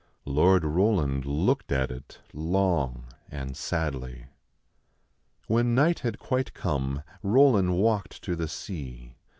Lord Roland looked at it long and sadly. When night had quite come, Roland walked to the sea.